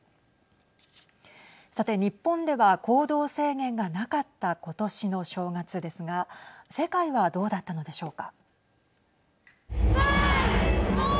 さて、日本では行動制限がなかった今年の正月ですが世界はどうだったのでしょうか。